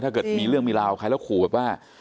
เกิดมีเรื่องมีราวใครแล้วขู่แบบว่า